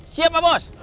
siap pak bos